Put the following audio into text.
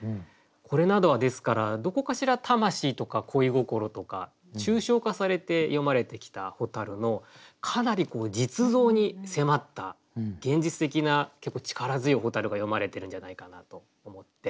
これなどはですからどこかしら魂とか恋心とか抽象化されて詠まれてきた蛍のかなり実像に迫った現実的な結構力強い蛍が詠まれてるんじゃないかなと思って。